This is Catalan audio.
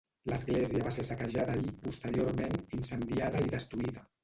L'església va ser saquejada i, posteriorment, incendiada i destruïda.